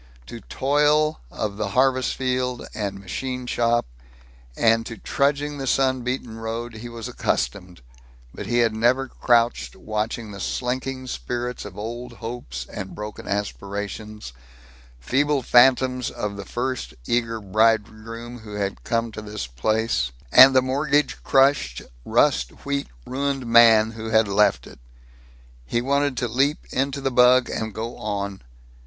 To toil of the harvest field and machine shop and to trudging the sun beaten road he was accustomed, but he had never crouched watching the slinking spirits of old hopes and broken aspirations; feeble phantoms of the first eager bridegroom who had come to this place, and the mortgage crushed, rust wheat ruined man who had left it. He wanted to leap into the bug and go on.